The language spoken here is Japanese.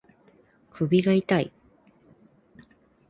首が痛い